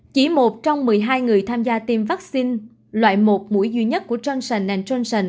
chỉ một trong một mươi hai người tham gia tiêm vaccine loại một mũi duy nhất của johnson johnson